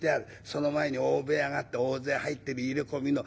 その前に大部屋があって大勢入ってる入れ込みの。